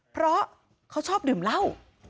เพราะเขาชอบดื่มเหล้า